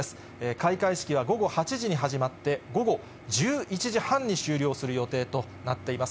開会式は午後８時に始まって、午後１１時半に終了する予定となっています。